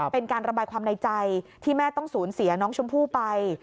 เป็นการระบายความในใจที่แม่ต้องสูญเสียน้องชมพู่ไป